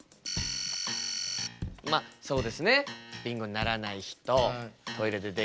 まっそうですね。